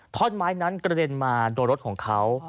ท่อนไม้นั้นกระเด็นมาโดนรถของเขา